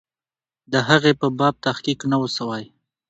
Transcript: د هغې په باب تحقیق نه وو سوی.